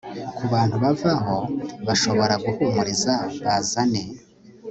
Kubantu bava aho bashobora guhumuriza bazane